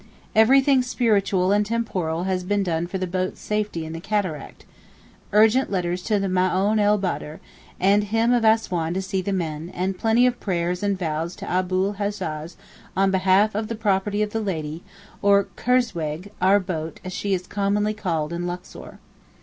(1) Everything spiritual and temporal has been done for the boat's safety in the Cataract—urgent letters to the Maōhn el Baudar, and him of Assouan to see to the men, and plenty of prayers and vows to Abu l Hajjaj on behalf of the 'property of the Lady,' or kurzweg 'our boat' as she is commonly called in Luxor.